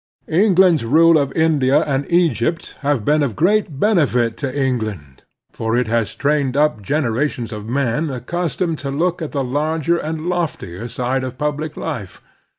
England's rule in India and Eg>^pt has been of great benefit to England, for it has trained up generations of men accustomed to look at the larger and loftier side of public life.